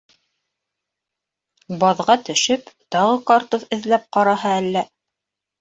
Баҙға төшөп, тағы картуф эҙләп ҡараһа әллә?